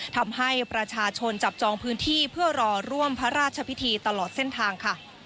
ทำให้ประชาชนจับจองพื้นที่เพื่อรอร่วมพระราชพิธีตลอดเส้นทางค่ะ